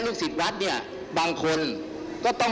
มึงก็เป็นว่า